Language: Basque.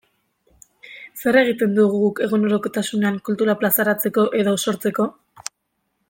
Zer egiten dugu guk egunerokotasunean kultura plazaratzeko edo sortzeko?